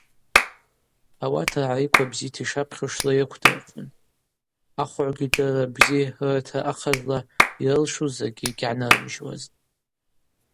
Ауат ргӏариква бзита йшапхьушла йрыквдырхъун, ахвыгӏвгьи дырра бзи рыртра ахъазла йрылшуз закӏгьи гьгӏанырымжьуазтӏ.